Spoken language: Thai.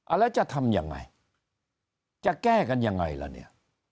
แล้วจะทำยังไงจะแก้กันยังไงล่ะเนี่ย